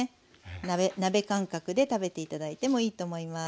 鍋感覚で食べて頂いてもいいと思います。